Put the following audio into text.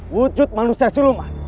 wujud manusia siluman